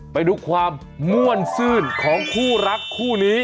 ไปดูความม่วนซื่นของคู่รักคู่นี้